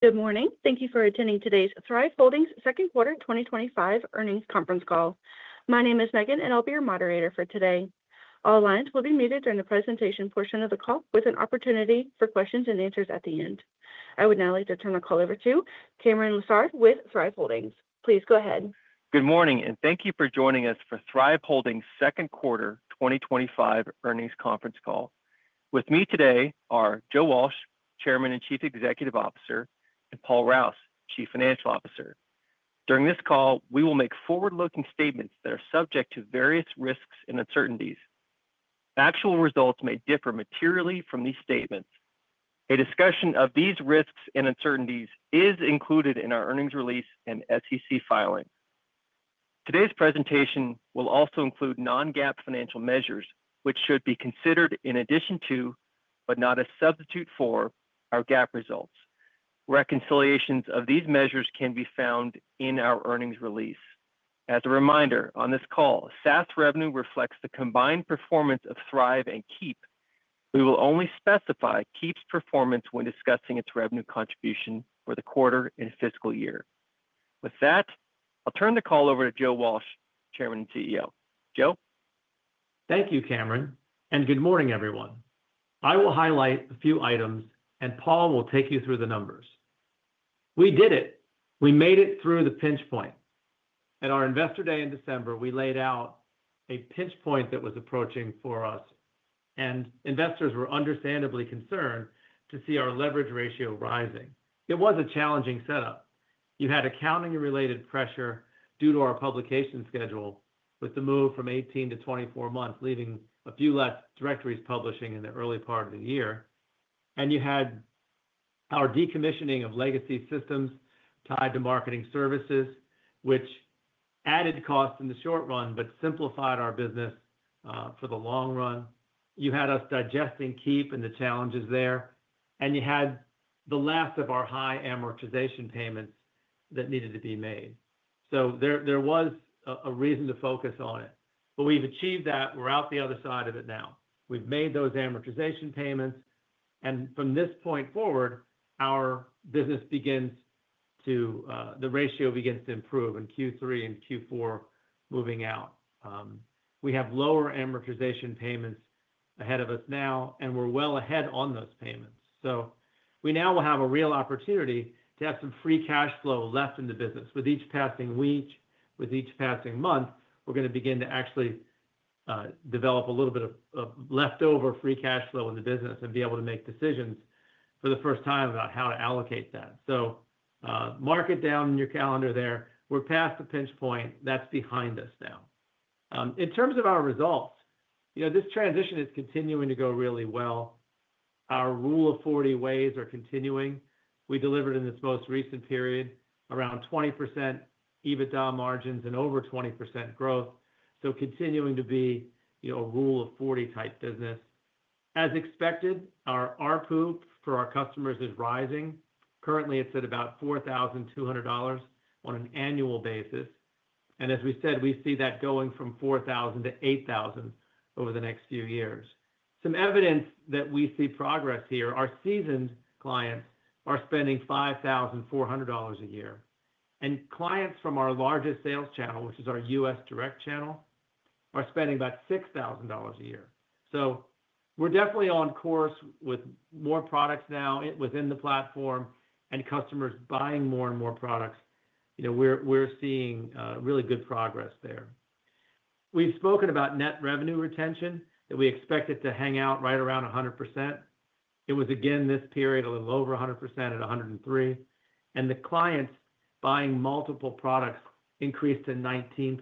Good morning. Thank you for attending today's Thryv Holdings second quarter 2025 earnings conference call. My name is Megan, and I'll be your moderator for today. All lines will be muted during the presentation portion of the call, with an opportunity for questions and answers at the end. I would now like to turn the call over to Cameron Lessard with Thryv Holdings. Please go ahead. Good morning, and thank you for joining us for Thryv Holdings second quarter 2025 earnings conference call. With me today are Joe Walsh, Chairman and Chief Executive Officer, and Paul Rouse, Chief Financial Officer. During this call, we will make forward-looking statements that are subject to various risks and uncertainties. Actual results may differ materially from these statements. A discussion of these risks and uncertainties is included in our earnings release and SEC filing. Today's presentation will also include non-GAAP financial measures, which should be considered in addition to, but not as a substitute for, our GAAP results. Reconciliations of these measures can be found in our earnings release. As a reminder, on this call, SaaS revenue reflects the combined performance of Thryv and Keap. We will only specify Keap's performance when discussing its revenue contribution for the quarter and fiscal year. With that, I'll turn the call over to Joe Walsh, Chairman and CEO. Joe? Thank you, Cameron, and good morning, everyone. I will highlight a few items, and Paul will take you through the numbers. We did it. We made it through the pinch point. At our Investor Day in December, we laid out a pinch point that was approaching for us, and investors were understandably concerned to see our leverage ratio rising. It was a challenging setup. You had accounting-related pressure due to our publication schedule, with the move from 18 to 24 months, leaving a few less directories publishing in the early part of the year. You had our decommissioning of legacy systems tied to Marketing Services, which added costs in the short run, but simplified our business for the long run. You had us digesting Keap and the challenges there, and you had the last of our high amortization payments that needed to be made. There was a reason to focus on it. We've achieved that. We're out the other side of it now. We've made those amortization payments, and from this point forward, our business begins to, the ratio begins to improve in Q3 and Q4, moving out. We have lower amortization payments ahead of us now, and we're well ahead on those payments. We now will have a real opportunity to have some free cash flow left in the business. With each passing week, with each passing month, we're going to begin to actually develop a little bit of leftover free cash flow in the business and be able to make decisions for the first time about how to allocate that. Mark it down in your calendar there. We're past the pinch point. That's behind us now. In terms of our results, this transition is continuing to go really well. Our Rule of 40 ways are continuing. We delivered in its most recent period around 20% EBITDA margins and over 20% growth. Continuing to be a Rule of 40 type business. As expected, our ARPU for our customers is rising. Currently, it's at about $4,200 on an annual basis. As we said, we see that going from $4,000 to $8,000 over the next few years. Some evidence that we see progress here. Our seasoned clients are spending $5,400 a year, and clients from our largest sales channel, which is our U.S. direct channel, are spending about $6,000 a year. We're definitely on course with more products now within the platform and customers buying more and more products. We're seeing really good progress there. We've spoken about net revenue retention, that we expect it to hang out right around 100%. It was again this period a little over 100% at 103%, and the clients buying multiple products increased to 19%.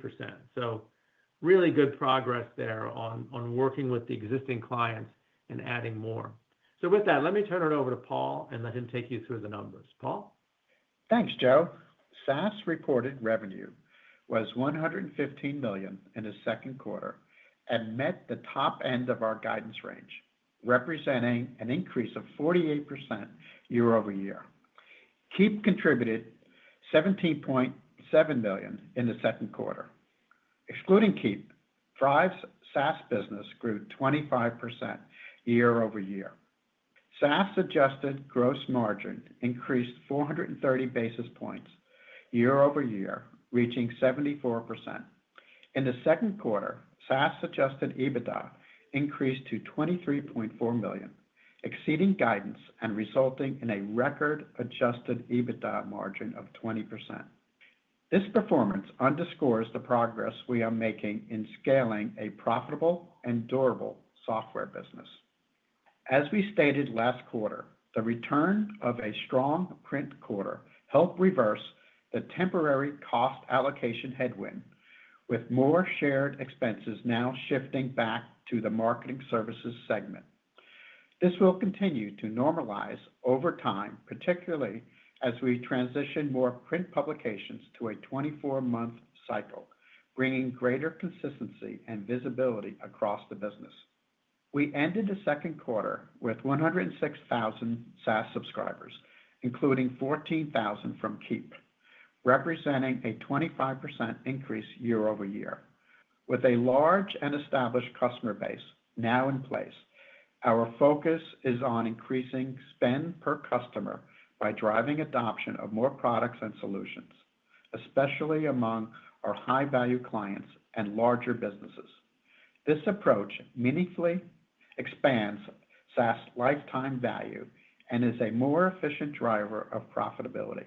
Really good progress there on working with the existing clients and adding more. With that, let me turn it over to Paul and let him take you through the numbers. Paul? Thanks, Joe. SaaS reported revenue was $115 million in the second quarter and met the top end of our guidance range, representing an increase of 48% year over year. Keap contributed $17.7 million in the second quarter. Excluding Keap, Thryv's SaaS business grew 25% year over year. SaaS adjusted gross margin increased 430 basis points year over year, reaching 74%. In the second quarter, SaaS adjusted EBITDA increased to $23.4 million, exceeding guidance and resulting in a record adjusted EBITDA margin of 20%. This performance underscores the progress we are making in scaling a profitable and durable software business. As we stated last quarter, the return of a strong print quarter helped reverse the temporary cost allocation headwind, with more shared expenses now shifting back to the Marketing Services segment. This will continue to normalize over time, particularly as we transition more print publications to a 24-month cycle, bringing greater consistency and visibility across the business. We ended the second quarter with 106,000 SaaS subscribers, including 14,000 from Keap, representing a 25% increase year over year. With a large and established customer base now in place, our focus is on increasing spend per customer by driving adoption of more products and solutions, especially among our high-value clients and larger businesses. This approach meaningfully expands SaaS's lifetime value and is a more efficient driver of profitability.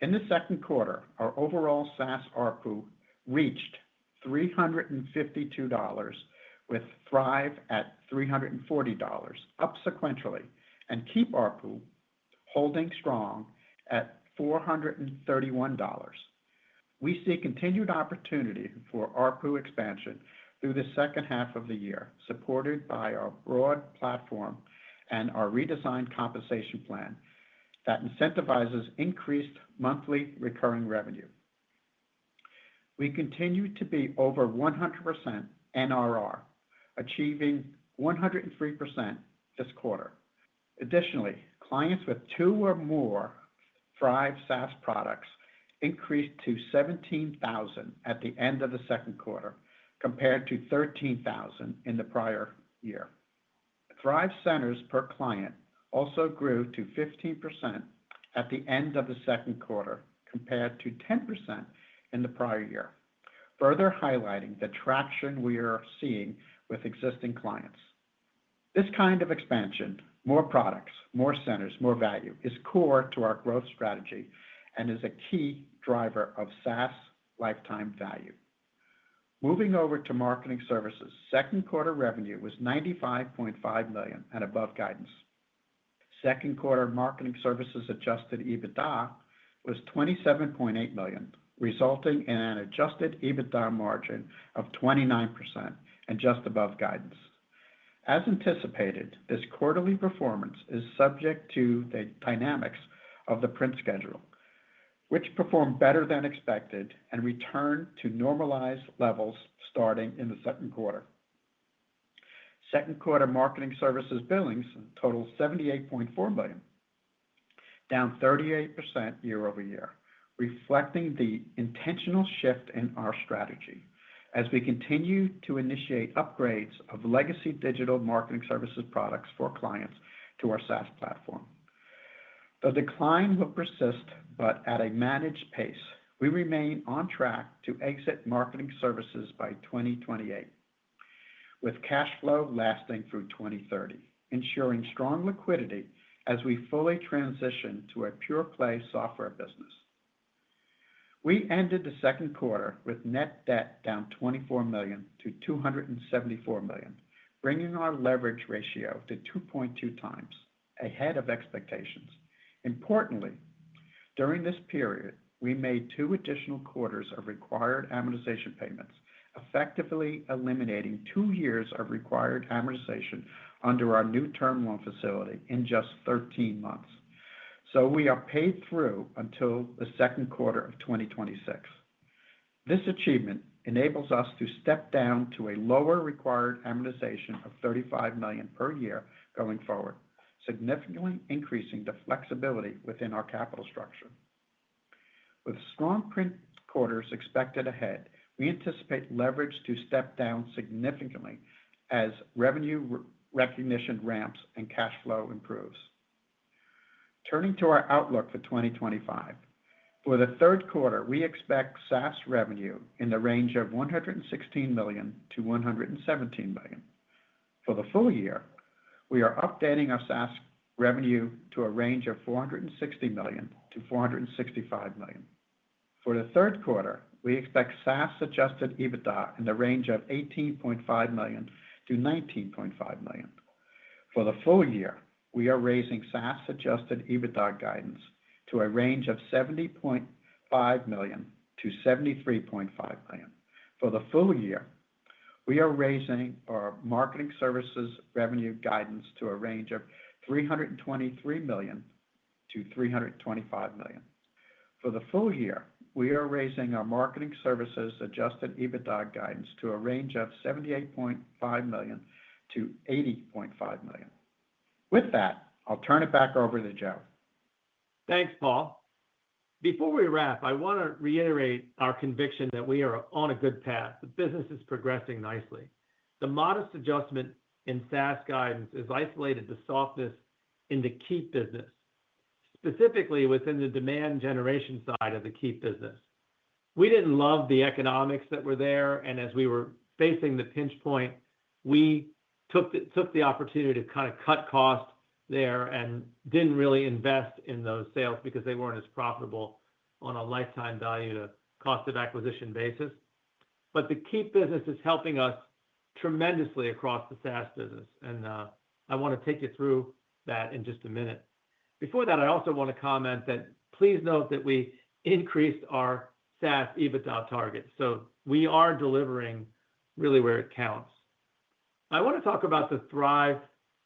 In the second quarter, our overall SaaS ARPU reached $352, with Thryv at $340, up sequentially, and Keap ARPU holding strong at $431. We see continued opportunity for ARPU expansion through the second half of the year, supported by our broad platform and our redesigned compensation plan that incentivizes increased monthly recurring revenue. We continue to be over 100% NRR, achieving 103% this quarter. Additionally, clients with two or more Thryv SaaS products increased to 17,000 at the end of the second quarter, compared to 13,000 in the prior year. Thryv centers per client also grew to 15% at the end of the second quarter, compared to 10% in the prior year, further highlighting the traction we are seeing with existing clients. This kind of expansion, more products, more centers, more value, is core to our growth strategy and is a key driver of SaaS lifetime value. Moving over to Marketing Services, second quarter revenue was $95.5 million and above guidance. Second quarter Marketing Services adjusted EBITDA was $27.8 million, resulting in an adjusted EBITDA margin of 29% and just above guidance. As anticipated, this quarterly performance is subject to the dynamics of the print schedule, which performed better than expected and returned to normalized levels starting in the second quarter. Second quarter Marketing Services billings totaled $78.4 million, down 38% year over year, reflecting the intentional shift in our strategy as we continue to initiate upgrades of legacy digital Marketing Services products for clients to our SaaS platform. The decline will persist, but at a managed pace. We remain on track to exit Marketing Services by 2028, with cash flow lasting through 2030, ensuring strong liquidity as we fully transition to a pure-play software business. We ended the second quarter with net debt down $24 million to $274 million, bringing our leverage ratio to 2.2x, ahead of expectations. Importantly, during this period, we made two additional quarters of required amortization payments, effectively eliminating two years of required amortization under our new term loan facility in just 13 months. We are paid through until the second quarter of 2026. This achievement enables us to step down to a lower required amortization of $35 million per year going forward, significantly increasing the flexibility within our capital structure. With strong print quarters expected ahead, we anticipate leverage to step down significantly as revenue recognition ramps and cash flow improves. Turning to our outlook for 2025, for the third quarter, we expect SaaS revenue in the range of $116 million-$117 million. For the full year, we are updating our SaaS revenue to a range of $460 million-$465 million. For the third quarter, we expect SaaS adjusted EBITDA in the range of $18.5 million-$19.5 million. For the full year, we are raising SaaS adjusted EBITDA guidance to a range of $70.5 million-$73.5 million. For the full year, we are raising our Marketing Services revenue guidance to a range of $323 million-$325 million. For the full year, we are raising our Marketing Services adjusted EBITDA guidance to a range of $78.5 million-$80.5 million. With that, I'll turn it back over to Joe. Thanks, Paul. Before we wrap, I want to reiterate our conviction that we are on a good path. The business is progressing nicely. The modest adjustment in SaaS guidance has isolated the softness in the Keap business, specifically within the demand generation side of the Keap business. We didn't love the economics that were there, and as we were facing the pinch point, we took the opportunity to kind of cut costs there and didn't really invest in those sales because they weren't as profitable on a lifetime value to cost of acquisition basis. The Keap business is helping us tremendously across the SaaS business, and I want to take you through that in just a minute. Before that, I also want to comment that please note that we increased our SaaS EBITDA target. We are delivering really where it counts. I want to talk about the Thryv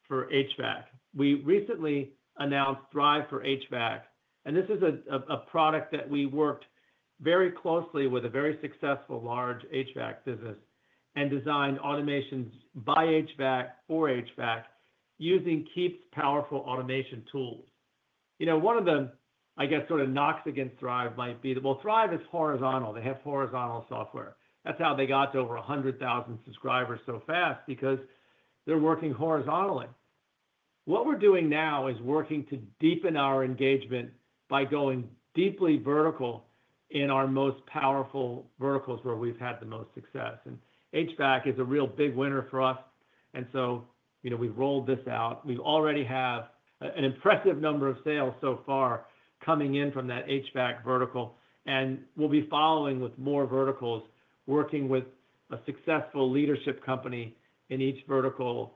for HVAC. We recently announced Thryv for HVAC, and this is a product that we worked very closely with a very successful large HVAC business and designed automations by HVAC for HVAC using Keap's powerful automation tools. You know, one of them, I guess, sort of knocks against Thryv might be that, well, Thryv is horizontal. They have horizontal software. That's how they got to over 100,000 subscribers so fast, because they're working horizontally. What we're doing now is working to deepen our engagement by going deeply vertical in our most powerful verticals where we've had the most success. HVAC is a real big winner for us. We've rolled this out. We already have an impressive number of sales so far coming in from that HVAC vertical, and we'll be following with more verticals, working with a successful leadership company in each vertical,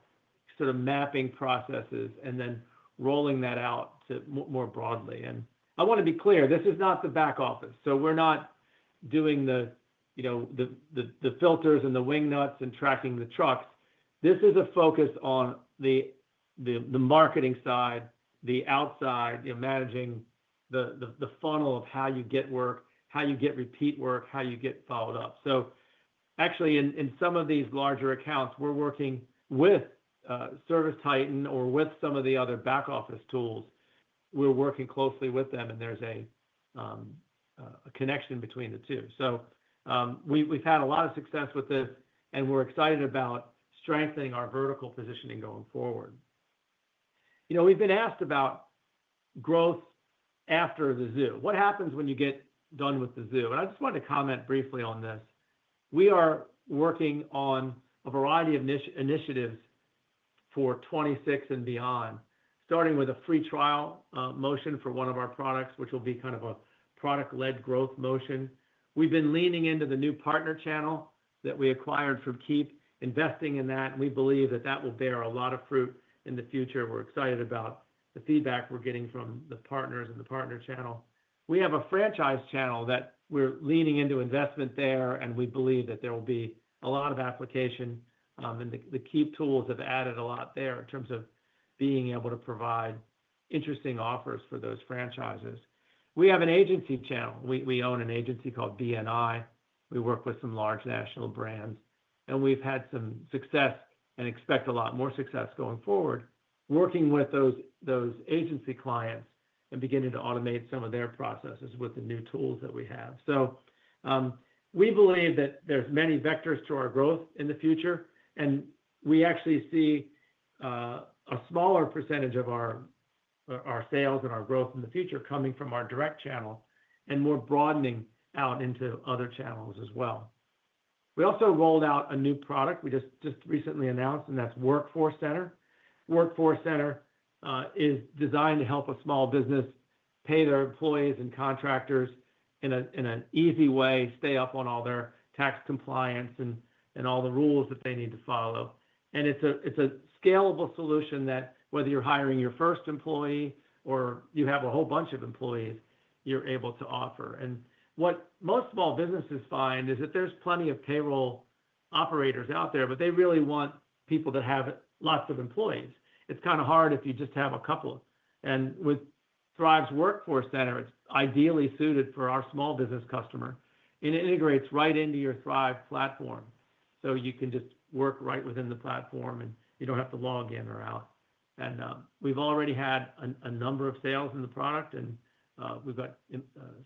sort of mapping processes, and then rolling that out more broadly. I want to be clear, this is not the back office. We're not doing the filters and the wing nuts and tracking the trucks. This is a focus on the marketing side, the outside, managing the funnel of how you get work, how you get repeat work, how you get followed up. Actually, in some of these larger accounts, we're working with ServiceTitan or with some of the other back office tools. We're working closely with them, and there's a connection between the two. We've had a lot of success with this, and we're excited about strengthening our vertical positioning going forward. We've been asked about growth after the zoo. What happens when you get done with the zoo? I just wanted to comment briefly on this. We are working on a variety of initiatives for 2026 and beyond, starting with a free trial motion for one of our products, which will be kind of a product-led growth motion. We've been leaning into the new partner channel that we acquired from Keap, investing in that, and we believe that will bear a lot of fruit in the future. We're excited about the feedback we're getting from the partners and the partner channel. We have a franchise channel that we're leaning into, investment there, and we believe that there will be a lot of application, and the Keap tools have added a lot there in terms of being able to provide interesting offers for those franchises. We have an agency channel. We own an agency called BNI. We work with some large national brands, and we've had some success and expect a lot more success going forward, working with those agency clients and beginning to automate some of their processes with the new tools that we have. We believe that there's many vectors to our growth in the future, and we actually see a smaller percentage of our sales and our growth in the future coming from our direct channel, and we're broadening out into other channels as well. We also rolled out a new product we just recently announced, and that's Workforce Center. Workforce Center is designed to help a small business pay their employees and contractors in an easy way, stay up on all their tax compliance and all the rules that they need to follow. It's a scalable solution that, whether you're hiring your first employee or you have a whole bunch of employees, you're able to offer. What most small businesses find is that there's plenty of payroll operators out there, but they really want people that have lots of employees. It's kind of hard if you just have a couple. With Thryv's Workforce Center, it's ideally suited for our small business customer, and it integrates right into your Thryv platform. You can just work right within the platform, and you don't have to log in or out. We've already had a number of sales in the product, and we've got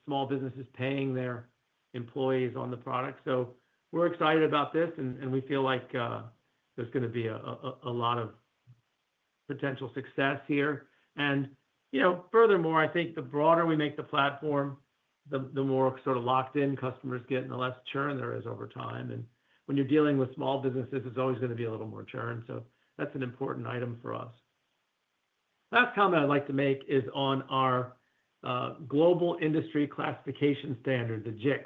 small businesses paying their employees on the product. We're excited about this, and we feel like there's going to be a lot of potential success here. Furthermore, I think the broader we make the platform, the more sort of locked-in customers get and the less churn there is over time. When you're dealing with small businesses, it's always going to be a little more churn. That's an important item for us. Last comment I'd like to make is on our Global Industry Classification Standard, the GICS.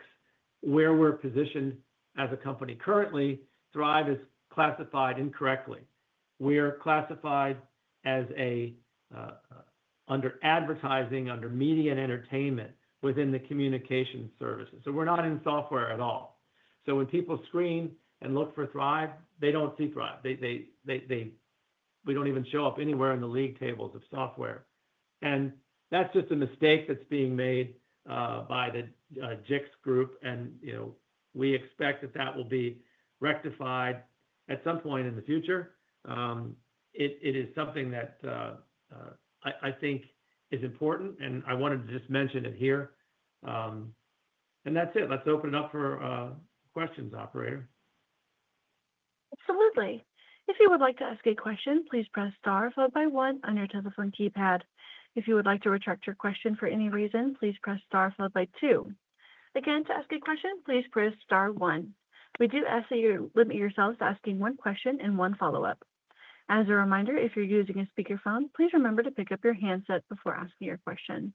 Where we're positioned as a company currently, Thryv is classified incorrectly. We are classified under advertising, under media and entertainment, within the communication services. We're not in software at all. When people screen and look for Thryv, they don't see Thryv. We don't even show up anywhere in the league tables of software. That's just a mistake that's being made by the GICS group, and we expect that will be rectified at some point in the future. It is something that I think is important, and I wanted to just mention it here. That's it. Let's open it up for questions, operator. Absolutely. If you would like to ask a question, please press star followed by one on your telephone keypad. If you would like to retract your question for any reason, please press star followed by two. Again, to ask a question, please press star one. We do ask that you limit yourself to asking one question and one follow-up. As a reminder, if you're using a speakerphone, please remember to pick up your handset before asking your question.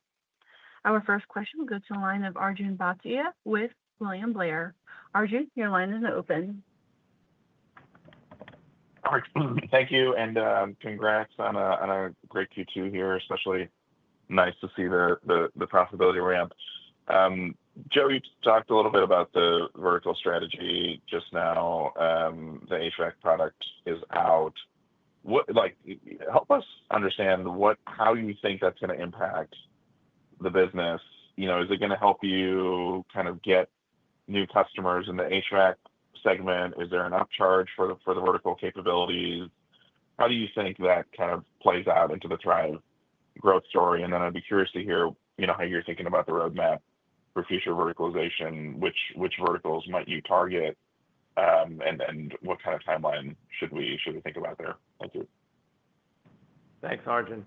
Our first question will go to a line of Arjun Bhatia with William Blair. Arjun, your line is open. All right. Thank you, and congrats on a great Q2 here. Especially nice to see the profitability ramp. Joe, you talked a little bit about the vertical strategy just now. The HVAC product is out. Help us understand how you think that's going to impact the business. Is it going to help you kind of get new customers in the HVAC segment? Is there an upcharge for the vertical capabilities? How do you think that kind of plays out into the Thryv growth story? I'd be curious to hear how you're thinking about the roadmap for future verticalization, which verticals might you target, and what kind of timeline should we think about there? Thanks, Arjun.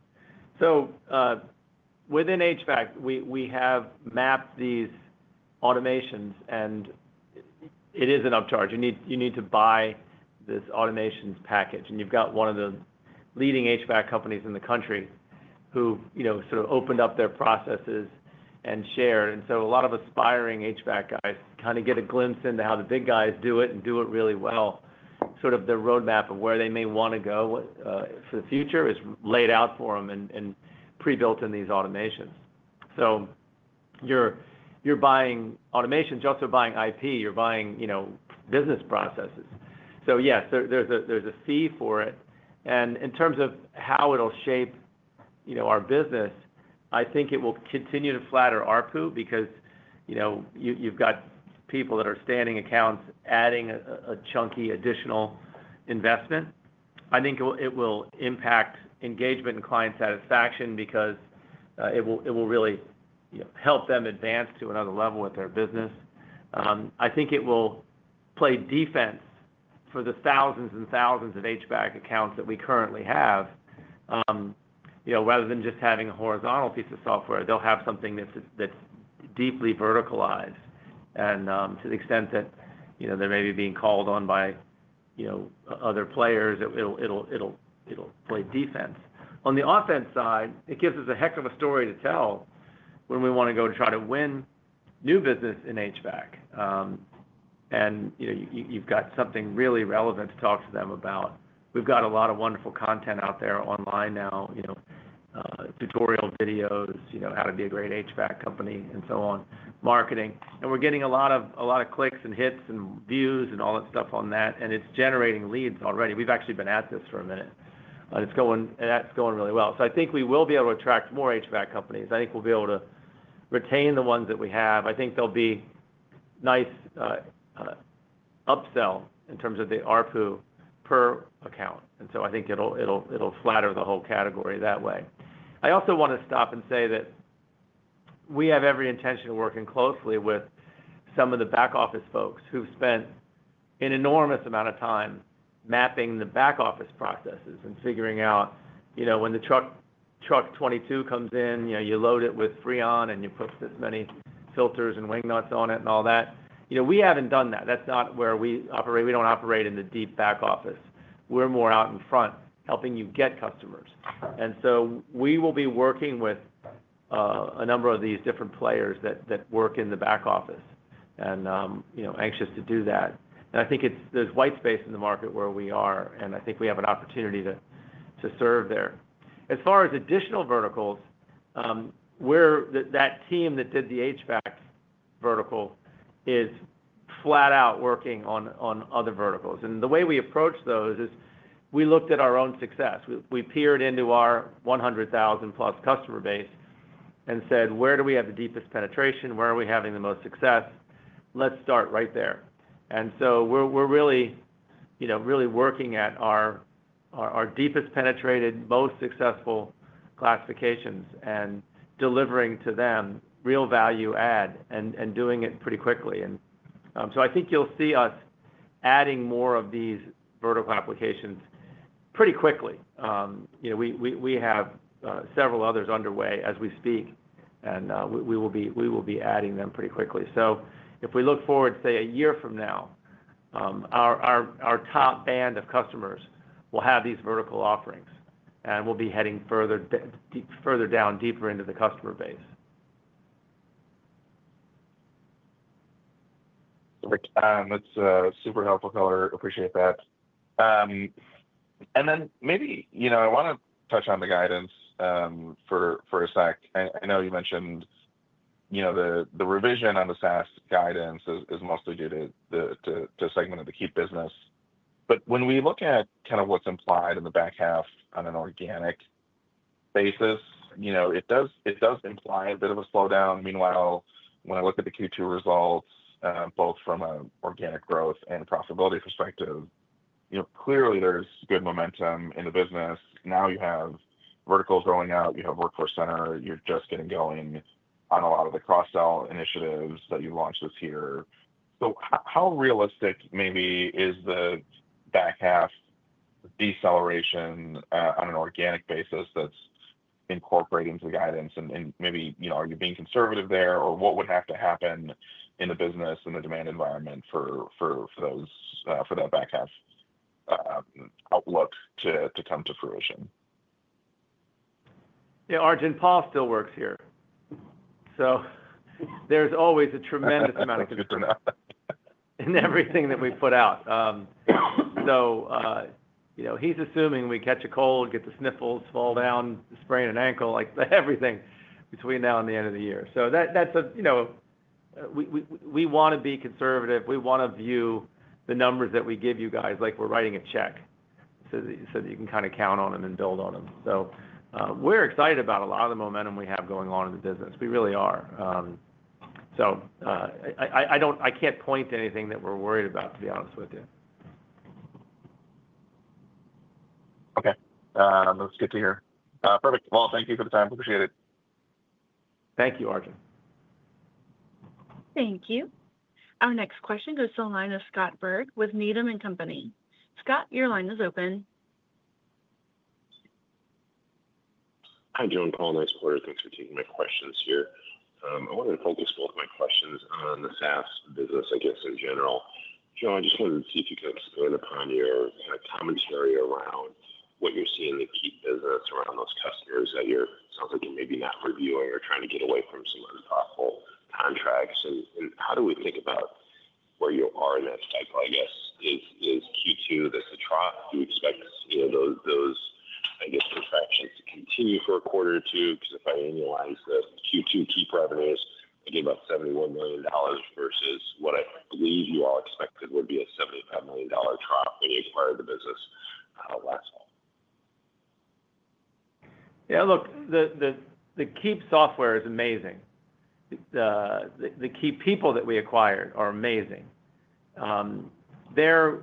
Within HVAC, we have mapped these automations, and it is an upcharge. You need to buy this automations package. You've got one of the leading HVAC companies in the country who sort of opened up their processes and shared. A lot of aspiring HVAC guys get a glimpse into how the big guys do it and do it really well. The roadmap of where they may want to go for the future is laid out for them and pre-built in these automations. You're buying automations, you're also buying IP, you're buying business processes. Yes, there's a fee for it. In terms of how it'll shape our business, I think it will continue to flatter ARPU because you've got people that are standing accounts adding a chunky additional investment. I think it will impact engagement and client satisfaction because it will really help them advance to another level with their business. I think it will play defense for the thousands and thousands of HVAC accounts that we currently have. Rather than just having a horizontal piece of software, they'll have something that's deeply verticalized. To the extent that they're maybe being called on by other players, it'll play defense. On the offense side, it gives us a heck of a story to tell when we want to go and try to win new business in HVAC. You've got something really relevant to talk to them about. We've got a lot of wonderful content out there online now, tutorial videos, how to be a great HVAC company and so on, marketing. We're getting a lot of clicks and hits and views and all that stuff on that, and it's generating leads already. We've actually been at this for a minute, and it's going really well. I think we will be able to attract more HVAC companies. I think we'll be able to retain the ones that we have. I think there'll be nice upsell in terms of the ARPU per account, and I think it'll flatter the whole category that way. I also want to stop and say that we have every intention of working closely with some of the back office folks who've spent an enormous amount of time mapping the back office processes and figuring out when the truck 22 comes in, you load it with Freon and you put this many filters and wing nuts on it and all that. We haven't done that. That's not where we operate. We don't operate in the deep back office. We're more out in front helping you get customers. We will be working with a number of these different players that work in the back office and, you know, anxious to do that. I think there's white space in the market where we are, and I think we have an opportunity to serve there. As far as additional verticals, that team that did the HVAC vertical is flat out working on other verticals. The way we approach those is we looked at our own success. We peered into our 100,000+ customer base and said, where do we have the deepest penetration? Where are we having the most success? Let's start right there. We're really, you know, really working at our deepest penetrated, most successful classifications and delivering to them real value add and doing it pretty quickly. I think you'll see us adding more of these vertical applications pretty quickly. We have several others underway as we speak, and we will be adding them pretty quickly. If we look forward, say, a year from now, our top band of customers will have these vertical offerings and will be heading further down, deeper into the customer base. Super helpful, appreciate that. I want to touch on the guidance for a sec. I know you mentioned the revision on the SaaS guidance is mostly due to a segment of the Keap business. When we look at what's implied in the back half on an organic basis, it does imply a bit of a slowdown. Meanwhile, when I look at the Q2 results, both from an organic growth and profitability perspective, clearly there's good momentum in the business. Now you have vertical going out, you have Workforce Center, you're just getting going on a lot of the cross-sell initiatives that you launched this year. How realistic is the back half deceleration on an organic basis that's incorporating to the guidance? Are you being conservative there, or what would have to happen in the business and the demand environment for that back half outlook to come to fruition? Yeah, Arjun, Paul still works here. There is always a tremendous amount of concern in everything that we put out. He's assuming we catch a cold, get the sniffles, fall down, sprain an ankle, like everything between now and the end of the year. We want to be conservative. We want to view the numbers that we give you guys like we're writing a check so that you can count on them and build on them. We're excited about a lot of the momentum we have going on in the business. We really are. I can't point to anything that we're worried about, to be honest with you. Okay. That's good to hear. Perfect. Thank you for the time. Appreciate it. Thank you, Arjun. Thank you. Our next question goes to Scott Berg with Needham & Company. Scott, your line is open. Hi, Joe. And Paul. Nice to be here. Thanks for taking my questions here. I wanted to focus some of my questions on the SaaS business, I guess, in general. Joe, I just wanted to see if you could expand upon your commentary around what you're seeing in the Keap business around those customers that you're, it sounds like you're maybe not reviewing or trying to get away from some of the thoughtful contracts. How do we think about where you are in that cycle? I guess, is Q2 this a trough? Do you expect those, I guess, retractions to continue for a quarter or two? Because if I annualize the Q2 Keap revenues, I gave up $71 million versus what I believe you all expected would be a $75 million trough when you acquired the business last fall. Yeah, look, the Keap software is amazing. The Keap people that we acquired are amazing. Their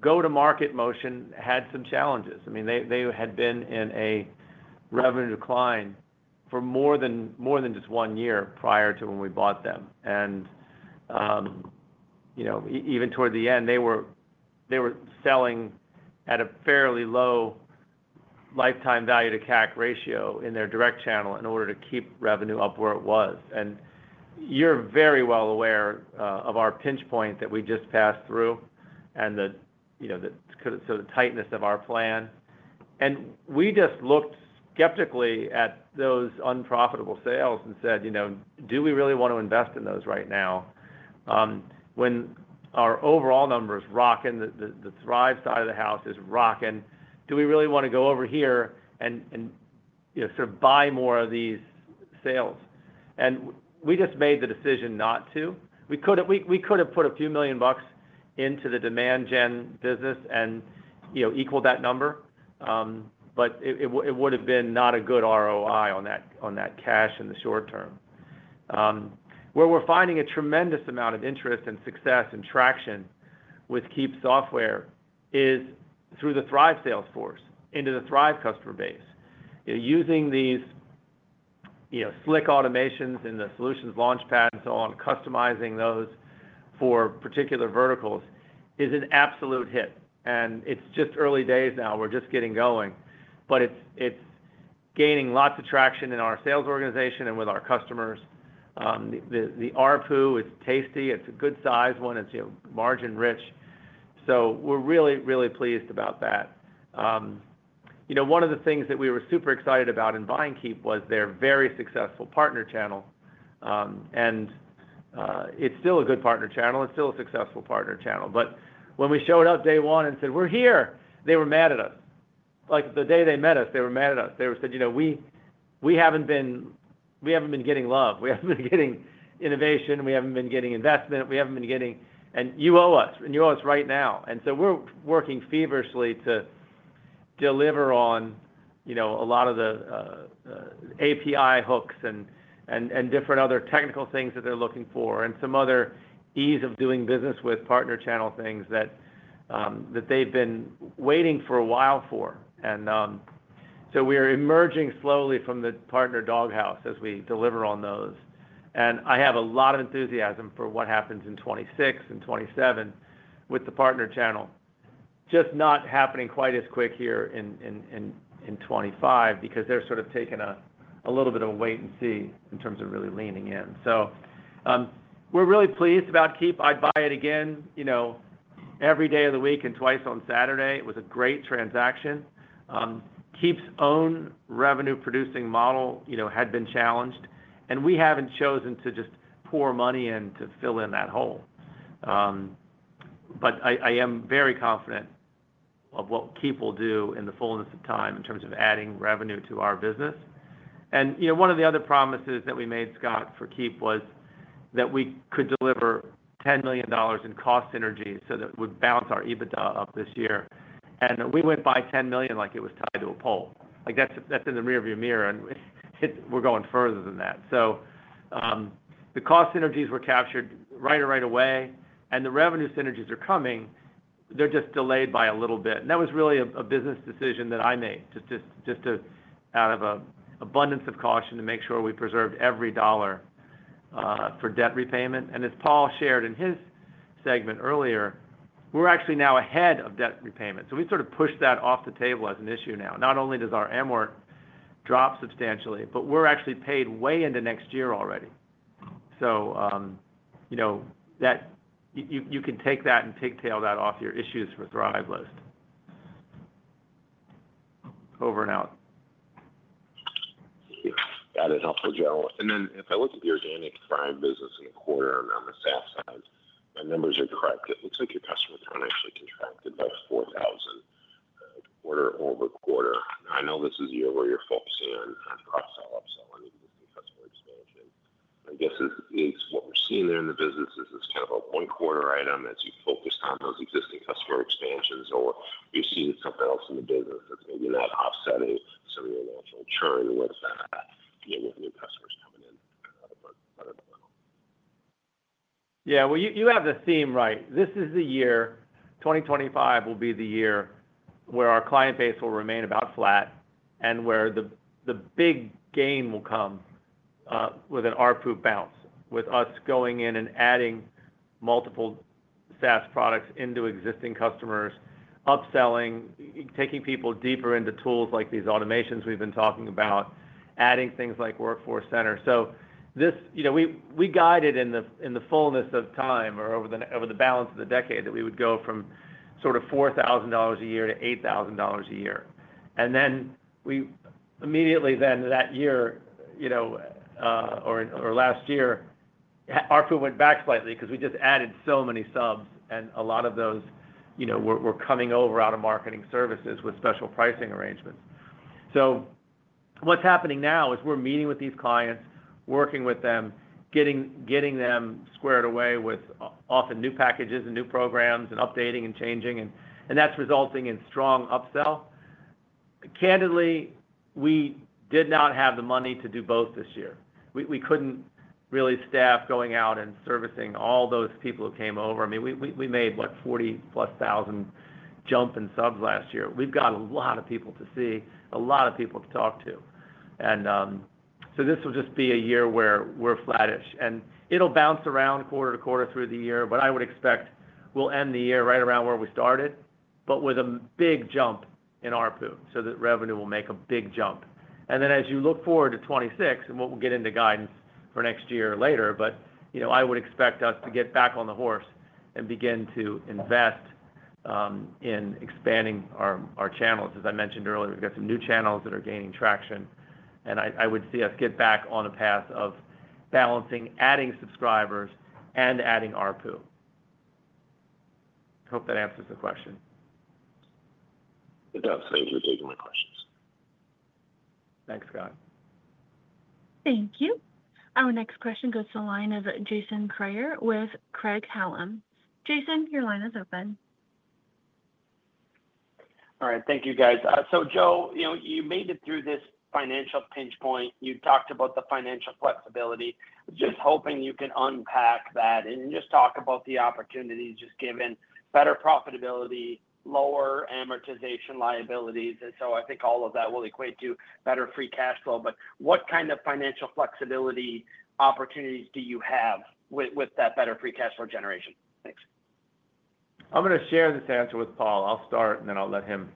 go-to-market motion had some challenges. I mean, they had been in a revenue decline for more than just one year prior to when we bought them. Even toward the end, they were selling at a fairly low lifetime value to CAC ratio in their direct channel in order to keep revenue up where it was. You're very well aware of our pinch point that we just passed through and the tightness of our plan. We just looked skeptically at those unprofitable sales and said, do we really want to invest in those right now? When our overall numbers rock and the Thryv side of the house is rocking, do we really want to go over here and sort of buy more of these sales? We just made the decision not to. We could have put a few million bucks into the demand gen business and equal that number, but it would have been not a good ROI on that cash in the short term. Where we're finding a tremendous amount of interest and success and traction with Keap software is through the Thryv sales force into the Thryv customer base. Using these slick automations in the solutions launch pad and so on, customizing those for particular verticals is an absolute hit. It's just early days now. We're just getting going, but it's gaining lots of traction in our sales organization and with our customers. The ARPU is tasty. It's a good size one. It's margin rich. We're really, really pleased about that. One of the things that we were super excited about in buying Keap was their very successful partner channel. It's still a good partner channel. It's still a successful partner channel. When we showed up day one and said, we're here, they were mad at us. The day they met us, they were mad at us. They said, we haven't been getting love. We haven't been getting innovation. We haven't been getting investment. We haven't been getting, and you owe us. You owe us right now. We're working feverishly to deliver on a lot of the API hooks and different other technical things that they're looking for and some other ease of doing business with partner channel things that they've been waiting for a while for. We are emerging slowly from the partner doghouse as we deliver on those. I have a lot of enthusiasm for what happens in 2026 and 2027 with the partner channel, just not happening quite as quick here in 2025 because they're sort of taking a little bit of a wait and see in terms of really leaning in. We are really pleased about Keap. I'd buy it again, you know, every day of the week and twice on Saturday. It was a great transaction. Keap's own revenue-producing model, you know, had been challenged. We haven't chosen to just pour money in to fill in that hole. I am very confident of what Keap will do in the fullness of time in terms of adding revenue to our business. One of the other promises that we made, Scott, for Keap was that we could deliver $10 million in cost synergy so that it would bounce our EBITDA up this year. We went by $10 million like it was tied to a pole. That's in the rearview mirror. We are going further than that. The cost synergies were captured right away. The revenue synergies are coming. They're just delayed by a little bit. That was really a business decision that I made, just out of an abundance of caution to make sure we preserved every dollar for debt repayment. As Paul shared in his segment earlier, we're actually now ahead of debt repayment. We sort of pushed that off the table as an issue now. Not only does our amort drop substantially, but we're actually paid way into next year already. You can take that and tick-tail that off your issues for Thryv list. Over and out. Got it. Helpful, Joe. If I look at the organic Thryv business in a quarter on the SaaS side, if my numbers are correct, it looks like your customer count actually contracted by 4,000 quarter over quarter. I know this is a year where you're focusing on cross-sell, upsell, and existing customer expansion. My guess is what we're seeing there in the business is this kind of a one-quarter item as you focus on those existing customer expansions, or are we seeing something else in the business that's maybe not offsetting some of your natural churn with the new customers coming in. Yeah, you have the theme right. This is the year, 2025 will be the year where our client base will remain about flat and where the big gain will come with an ARPU bounce, with us going in and adding multiple SaaS products into existing customers, upselling, taking people deeper into tools like these automations we've been talking about, adding things like Workforce Center. We guided in the fullness of time or over the balance of the decade that we would go from sort of $4,000 a year to $8,000 a year. Immediately then that year, or last year, ARPU went back slightly because we just added so many subs and a lot of those were coming over out of Marketing Services with special pricing arrangements. What's happening now is we're meeting with these clients, working with them, getting them squared away with often new packages and new programs and updating and changing, and that's resulting in strong upsell. Candidly, we did not have the money to do both this year. We couldn't really staff going out and servicing all those people who came over. I mean, we made, what, 40,000+ jump in subs last year. We've got a lot of people to see, a lot of people to talk to. This will just be a year where we're flattish. It'll bounce around quarter to quarter through the year, but I would expect we'll end the year right around where we started, but with a big jump in ARPU so that revenue will make a big jump. As you look forward to 2026, and we'll get into guidance for next year or later, I would expect us to get back on the horse and begin to invest in expanding our channels. As I mentioned earlier, we've got some new channels that are gaining traction, and I would see us get back on a path of balancing adding subscribers and adding ARPU. I hope that answers the question. It does. Thanks for taking my questions. Thanks, Scott. Thank you. Our next question goes to a line of Jason Kreyer with Craig-Hallum. Jason, your line is open. All right. Thank you, guys. Joe, you made it through this financial pinch point. You talked about the financial flexibility. Hoping you can unpack that and talk about the opportunities given better profitability, lower amortization liabilities. I think all of that will equate to better free cash flow. What kind of financial flexibility opportunities do you have with that better free cash flow generation? Thanks. I'm going to share this answer with Paul. I'll start, and then I'll let him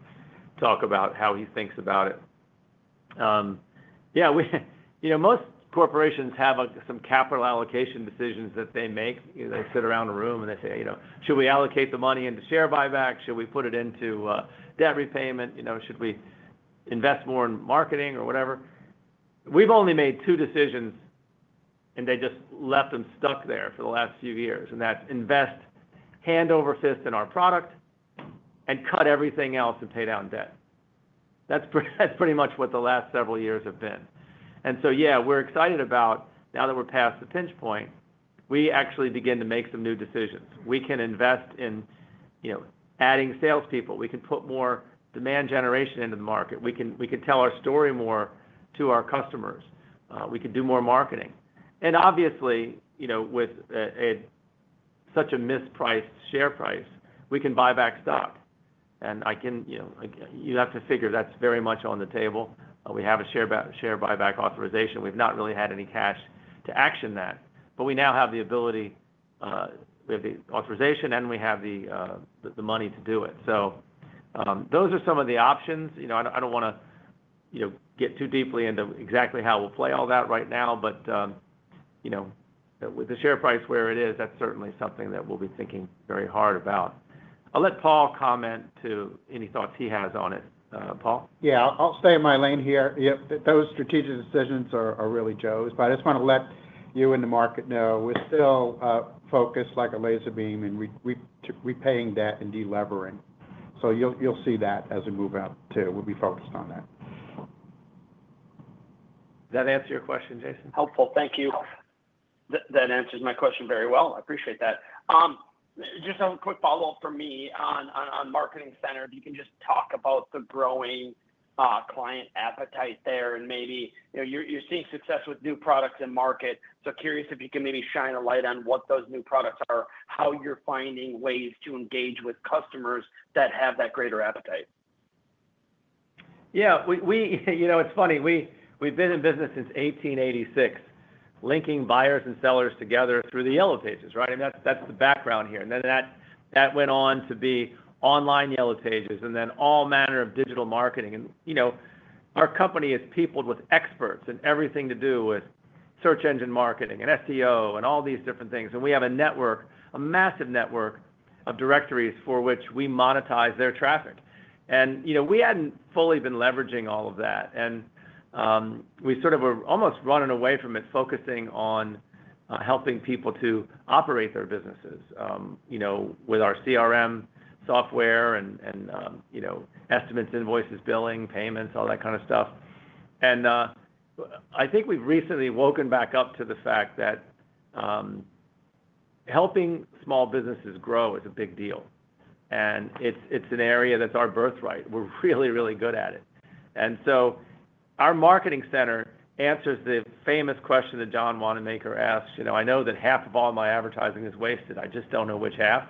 talk about how he thinks about it. Most corporations have some capital allocation decisions that they make. They sit around a room and they say, should we allocate the money into share buybacks? Should we put it into debt repayment? Should we invest more in marketing or whatever? We've only made two decisions, and they just left them stuck there for the last few years. That's invest, hand over fist in our product, and cut everything else and pay down debt. That's pretty much what the last several years have been. We're excited about now that we're past the pinch point, we actually begin to make some new decisions. We can invest in adding salespeople. We can put more demand generation into the market. We can tell our story more to our customers. We can do more marketing. Obviously, with such a mispriced share price, we can buy back stock. You have to figure that's very much on the table. We have a share buyback authorization. We've not really had any cash to action that. We now have the ability, we have the authorization, and we have the money to do it. Those are some of the options. I don't want to get too deeply into exactly how we'll play all that right now. With the share price where it is, that's certainly something that we'll be thinking very hard about. I'll let Paul comment to any thoughts he has on it. Paul? Yeah, I'll stay in my lane here. Those strategic decisions are really Joe's, but I just want to let you and the market know we're still focused like a laser beam, and we're repaying debt and delevering. You'll see that as we move up too. We'll be focused on that. Does that answer your question, Jason? Helpful. Thank you. That answers my question very well. I appreciate that. Just a quick follow-up for me on Marketing Center. If you can just talk about the growing client appetite there and maybe you're seeing success with new products in market, I'm curious if you can shine a light on what those new products are, how you're finding ways to engage with customers that have that greater appetite. Yeah, it's funny. We've been in business since 1886, linking buyers and sellers together through the yellow pages, right? That's the background here. That went on to be online yellow pages and then all manner of digital marketing. Our company is peopled with experts in everything to do with search engine marketing and SEO and all these different things. We have a massive network of directories for which we monetize their traffic. We hadn't fully been leveraging all of that. We sort of were almost running away from it, focusing on helping people to operate their businesses with our CRM software and estimates, invoices, billing, payments, all that kind of stuff. I think we've recently woken back up to the fact that helping small businesses grow is a big deal. It's an area that's our birthright. We're really, really good at it. Our Marketing Center answers the famous question that John Wanamaker asked. You know, I know that half of all my advertising is wasted. I just don't know which half.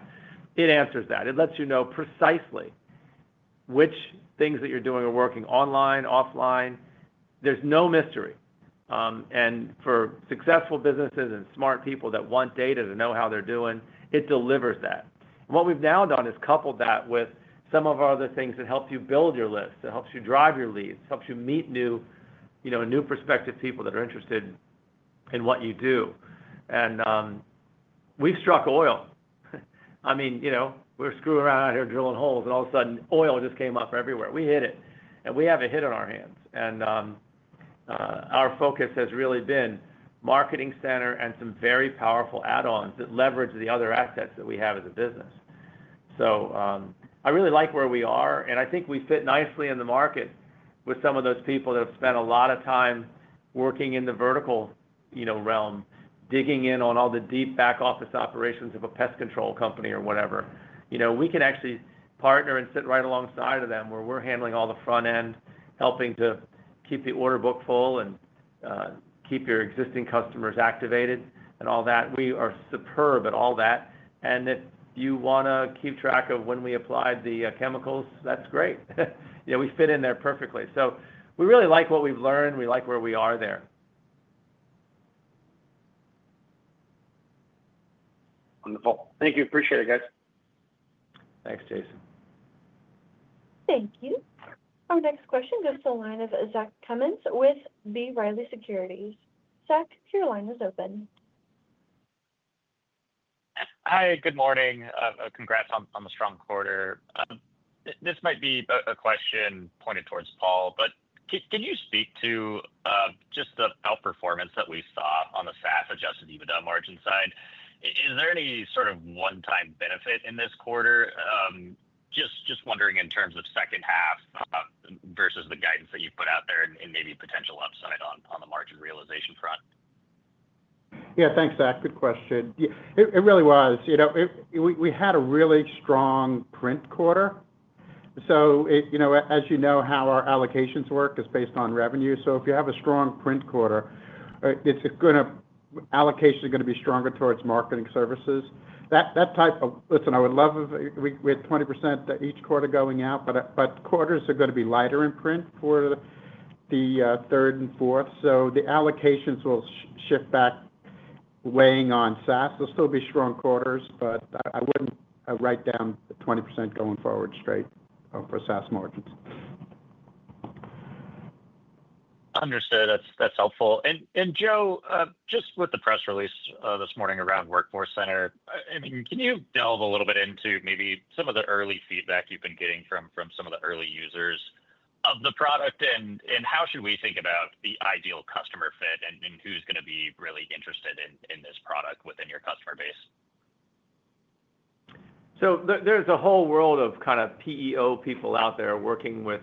It answers that. It lets you know precisely which things that you're doing are working online, offline. There's no mystery. For successful businesses and smart people that want data to know how they're doing, it delivers that. What we've now done is coupled that with some of our other things that help you build your list, that helps you drive your leads, helps you meet new prospective people that are interested in what you do. We've struck oil. I mean, we're screwing around out here drilling holes, and all of a sudden, oil just came up everywhere. We hit it. We have a hit on our hands. Our focus has really been Marketing Center and some very powerful add-ons that leverage the other assets that we have as a business. I really like where we are. I think we fit nicely in the market with some of those people that have spent a lot of time working in the vertical realm, digging in on all the deep back office operations of a pest control company or whatever. We can actually partner and sit right alongside of them where we're handling all the front end, helping to keep the order book full and keep your existing customers activated and all that. We are superb at all that. If you want to keep track of when we applied the chemicals, that's great. We fit in there perfectly. We really like what we've learned. We like where we are there. Wonderful. Thank you. Appreciate it, guys. Thanks, Jason. Thank you. Our next question goes to the line of Zach Cummins with B. Riley Securities. Zach, your line is open. Hi, good morning. Congrats on the strong quarter. This might be a question pointed towards Paul, but can you speak to just the outperformance that we saw on the SaaS adjusted EBITDA margin side? Is there any sort of one-time benefit in this quarter? Just wondering in terms of second half versus the guidance that you put out there and maybe potential upside on the margin realization front. Yeah, thanks, Zach. Good question. It really was. You know, we had a really strong print quarter. As you know how our allocations work, it's based on revenue. If you have a strong print quarter, allocations are going to be stronger towards Marketing Services. That type of, listen, I would love if we had 20% each quarter going out, but quarters are going to be lighter in print for the third and fourth. The allocations will shift back, weighing on SaaS. There'll still be strong quarters, but I wouldn't write down the 20% going forward straight for SaaS margins. Understood. That's helpful. Joe, with the press release this morning around Workforce Center, can you delve a little bit into maybe some of the early feedback you've been getting from some of the early users of the product and how should we think about the ideal customer fit and who is going to be really interested in this product within your customer base? There's a whole world of kind of PEO people out there working with,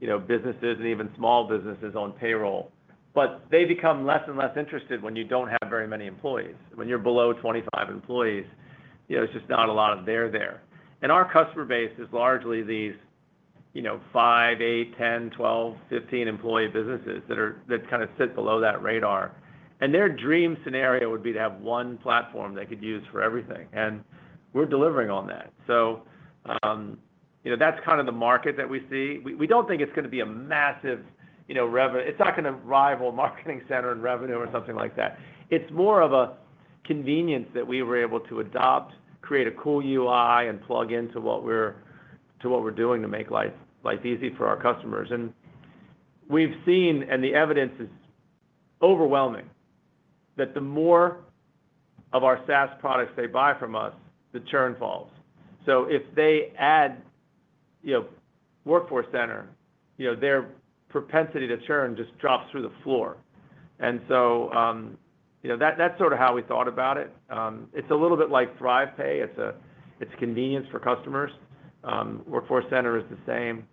you know, businesses and even small businesses on payroll. They become less and less interested when you don't have very many employees. When you're below 25 employees, it's just not a lot of they're there. Our customer base is largely these, you know, 5, 8, 10, 12, 15 employee businesses that kind of sit below that radar. Their dream scenario would be to have one platform they could use for everything. We're delivering on that. That's kind of the market that we see. We don't think it's going to be a massive, you know, revenue. It's not going to rival Marketing Services in revenue or something like that. It's more of a convenience that we were able to adopt, create a cool UI, and plug into what we're doing to make life easy for our customers. We've seen, and the evidence is overwhelming, that the more of our SaaS products they buy from us, the churn falls. If they add Workforce Center, their propensity to churn just drops through the floor. That's sort of how we thought about it. It's a little bit like ThryvPay. It's a convenience for customers. Workforce Center is the same.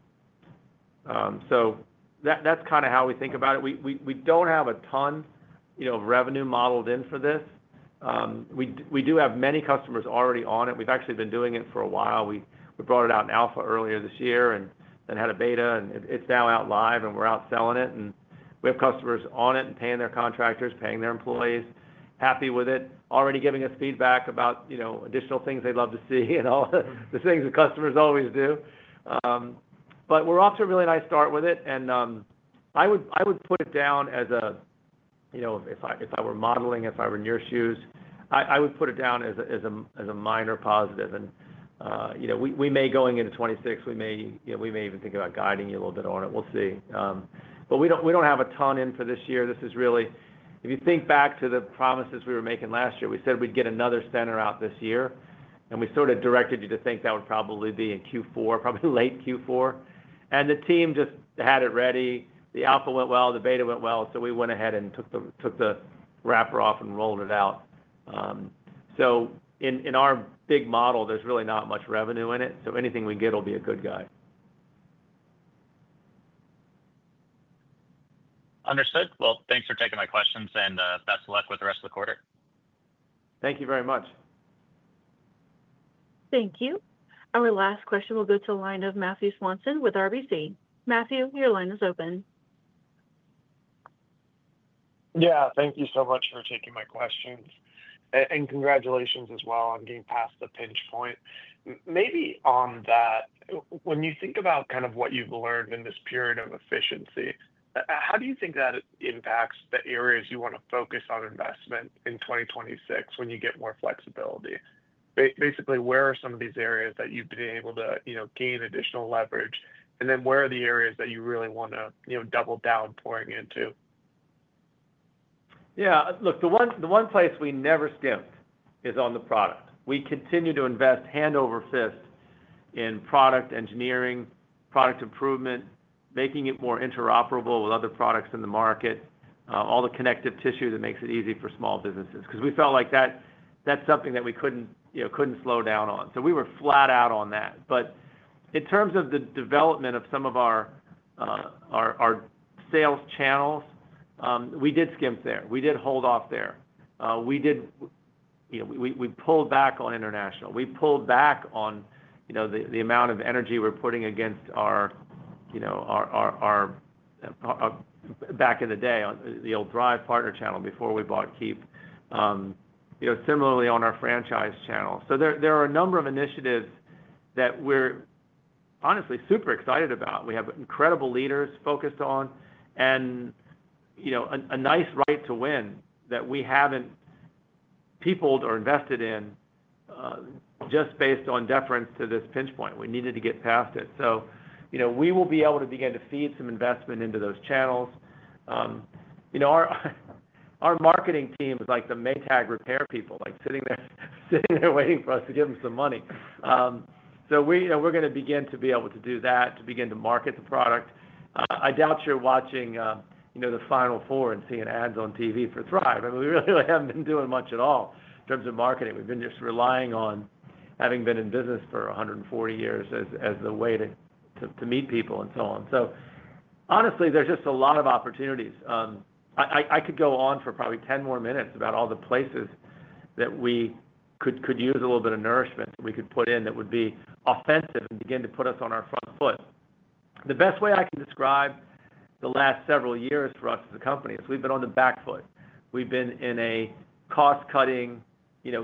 That's kind of how we think about it. We don't have a ton, you know, of revenue modeled in for this. We do have many customers already on it. We've actually been doing it for a while. We brought it out in alpha earlier this year and then had a beta, and it's now out live, and we're out selling it. We have customers on it and paying their contractors, paying their employees, happy with it, already giving us feedback about, you know, additional things they'd love to see and all the things that customers always do. We're off to a really nice start with it. I would put it down as a, you know, if I were modeling, if I were in your shoes, I would put it down as a minor positive. We may going into 2026, we may, you know, we may even think about guiding you a little bit on it. We'll see. We don't have a ton in for this year. This is really, if you think back to the promises we were making last year, we said we'd get another center out this year. We sort of directed you to think that would probably be in Q4, probably late Q4. The team just had it ready. The alpha went well, the beta went well. We went ahead and took the wrapper off and rolled it out. In our big model, there's really not much revenue in it. Anything we get will be a good guide. Understood. Thank you for taking my questions, and best of luck with the rest of the quarter. Thank you very much. Thank you. Our last question will go to a line of Matthew Swanson with RBC. Matthew, your line is open. Yeah, thank you so much for taking my questions. Congratulations as well on getting past the pinch point. Maybe on that, when you think about what you've learned in this period of efficiency, how do you think that impacts the areas you want to focus on investment in 2026 when you get more flexibility? Basically, where are some of these areas that you've been able to gain additional leverage? Where are the areas that you really want to double down pouring into? Yeah, look, the one place we never skimped is on the product. We continue to invest hand over fist in product engineering, product improvement, making it more interoperable with other products in the market, all the connective tissue that makes it easy for small businesses. Because we felt like that's something that we couldn't, you know, couldn't slow down on. We were flat out on that. In terms of the development of some of our sales channels, we did skimp there. We did hold off there. We pulled back on international. We pulled back on the amount of energy we're putting against our, you know, our back in the day, the old Thryv partner channel before we bought Keap. Similarly on our franchise channel. There are a number of initiatives that we're honestly super excited about. We have incredible leaders focused on and a nice right to win that we haven't peopled or invested in just based on deference to this pinch point. We needed to get past it. We will be able to begin to feed some investment into those channels. Our marketing team is like the Maytag repair people, like sitting there, sitting there waiting for us to give them some money. We're going to begin to be able to do that, to begin to market the product. I doubt you're watching the Final Four and seeing ads on TV for Thryv. I mean, we really haven't been doing much at all in terms of marketing. We've been just relying on having been in business for 140 years as the way to meet people and so on. Honestly, there's just a lot of opportunities. I could go on for probably 10 more minutes about all the places that we could use a little bit of nourishment that we could put in that would be offensive and begin to put us on our front foot. The best way I can describe the last several years for us as a company is we've been on the back foot. We've been in a cost-cutting,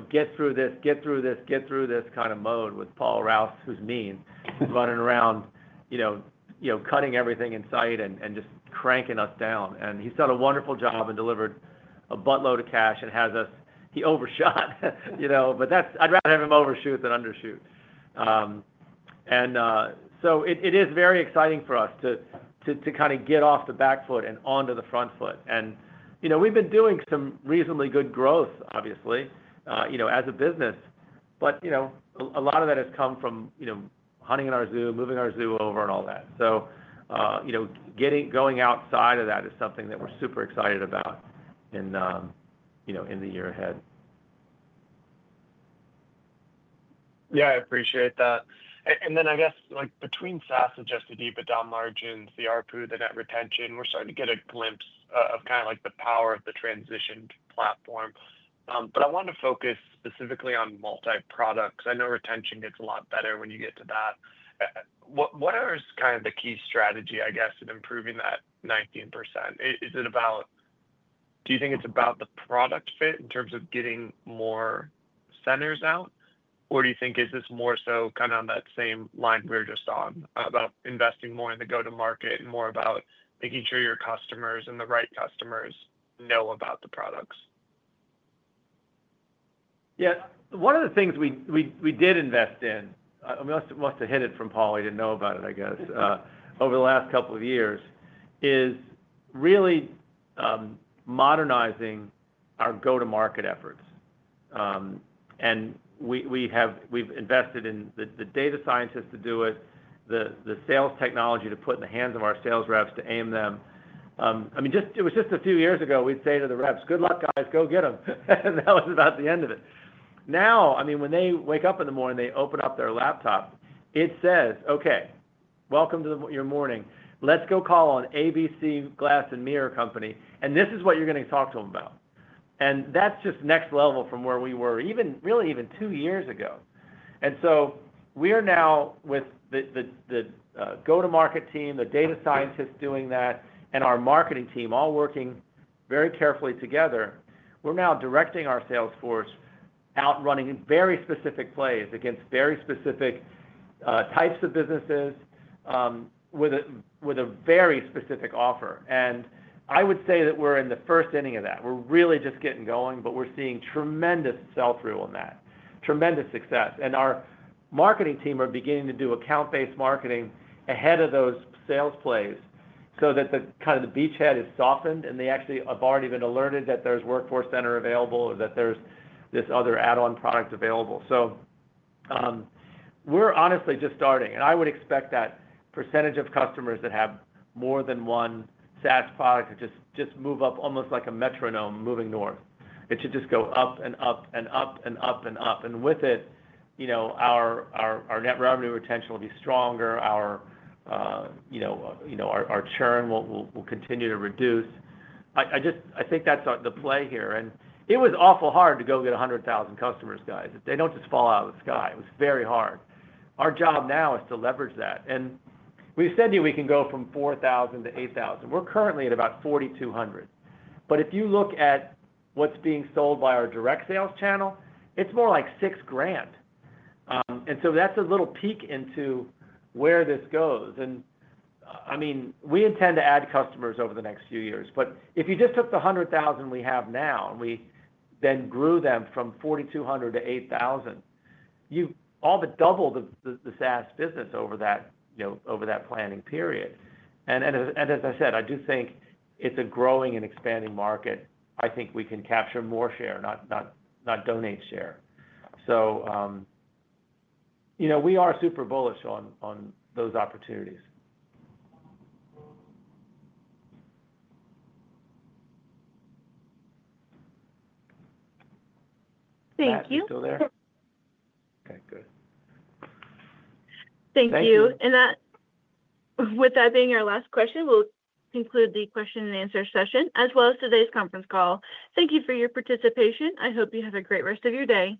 get through this, get through this, get through this kind of mode with Paul Rouse, who's mean, running around, cutting everything in sight and just cranking us down. He's done a wonderful job and delivered a buttload of cash and has us, he overshot, but that's, I'd rather have him overshoot than undershoot. It is very exciting for us to kind of get off the back foot and onto the front foot. We've been doing some reasonably good growth, obviously, as a business. A lot of that has come from hunting in our zoo, moving our zoo over and all that. Getting, going outside of that is something that we're super excited about in the year ahead. Yeah, I appreciate that. I guess like between SaaS, adjusted EBITDA margins, the ARPU, the net revenue retention, we're starting to get a glimpse of kind of like the power of the transition platform. I wanted to focus specifically on multi-products. I know retention gets a lot better when you get to that. What is kind of the key strategy, I guess, in improving that 19%? Is it about, do you think it's about the product fit in terms of getting more centers out? Or do you think this is more so kind of on that same line we were just on about investing more in the go-to-market and more about making sure your customers and the right customers know about the products? Yeah, one of the things we did invest in, I must have hid it from Paul, he didn't know about it, I guess, over the last couple of years is really modernizing our go-to-market efforts. We've invested in the data scientists to do it, the sales technology to put in the hands of our sales reps to aim them. I mean, just, it was just a few years ago, we'd say to the reps, "Good luck, guys. Go get them." That was about the end of it. Now, when they wake up in the morning, they open up their laptop, it says, "Okay, welcome to your morning. Let's go call on ABC Glass and Mirror Company. And this is what you're going to talk to them about." That's just next level from where we were even, really even two years ago. We are now with the go-to-market team, the data scientists doing that, and our marketing team all working very carefully together. We're now directing our sales force out running in very specific plays against very specific types of businesses with a very specific offer. I would say that we're in the first inning of that. We're really just getting going, but we're seeing tremendous sell-through on that, tremendous success. Our marketing team are beginning to do account-based marketing ahead of those sales plays so that the kind of the beachhead is softened and they actually have already been alerted that there's Workforce Center available or that there's this other add-on product available. We're honestly just starting. I would expect that percentage of customers that have more than one SaaS product to just move up almost like a metronome moving north. It should just go up and up and up and up and up. With it, our net revenue retention will be stronger. Our churn will continue to reduce. I think that's the play here. It was awful hard to go get 100,000 customers, guys. They don't just fall out of the sky. It was very hard. Our job now is to leverage that. We've said to you we can go from $4,000 to $8,000. We're currently at about $4,200. If you look at what's being sold by our direct sales channel, it's more like $6,000. That's a little peek into where this goes. We intend to add customers over the next few years. If you just took the 100,000 we have now and we then grew them from $4,200 to $8,000, you've all but doubled the SaaS business over that planning period. As I said, I do think it's a growing and expanding market. I think we can capture more share, not donate share. We are super bullish on those opportunities. Thank you. Still there? Okay, good. Thank you. With that being our last question, we'll conclude the question and answer session, as well as today's conference call. Thank you for your participation. I hope you have a great rest of your day.